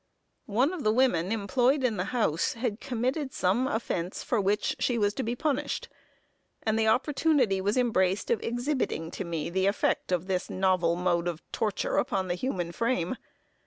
One of the women employed in the house, had committed some offence for which she was to be punished; and the opportunity was embraced of exhibiting to me the effect of this novel mode of torture upon the human frame.